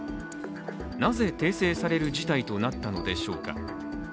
なぜ訂正される事態となったのでしょうか。